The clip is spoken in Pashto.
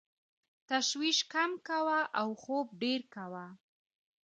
تشویش کم کوه او خوب ډېر کوه .